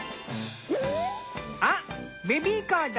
あっベビーカーだ。